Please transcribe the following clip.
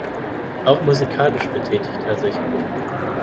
Auch musikalisch betätigt er sich.